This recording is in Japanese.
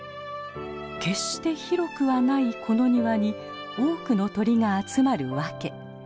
決して広くはないこの庭に多くの鳥が集まる訳。